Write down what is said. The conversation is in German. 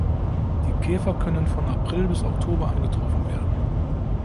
Die Käfer können von April bis Oktober angetroffen werden.